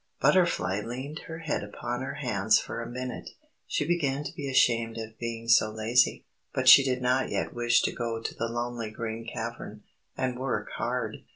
_" Butterfly leaned her head upon her hands for a minute. She began to be ashamed of being so lazy, but she did not yet wish to go to the lonely Green Cavern, and work hard.